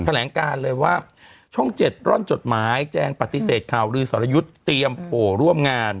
แถลงการเลยว่าช่อง๗ร่อนจดหมายแจงปฏิเสธข่าวลือสรยุทธ์เตรียมโผล่ร่วมงาน